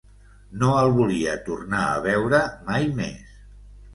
No el volia tornar a veure, mai més.